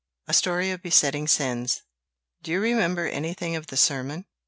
A Story of Besetting Sins [Illustration: "Do you remember anything of the sermon?"